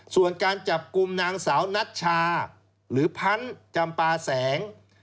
ส่วนการจับกลุ่มนางสาวนัชชาหรือพันธุ์จำปาแสง